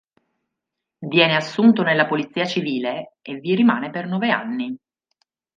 Viene assunto nella polizia civile e vi rimane per nove anni.